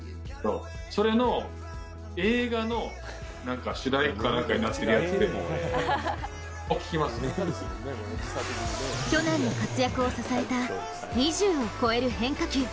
それの映画の主題歌かなんかになってるやつで、それを聴きますね去年の活躍を支えた２０を超える変化球。